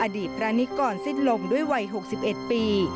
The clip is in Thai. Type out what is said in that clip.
อดีตพระนิกรสิ้นลงด้วยวัย๖๑ปี